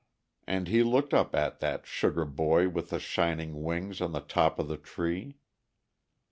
And he looked up at that sugar boy with the shining wings on the top of the tree.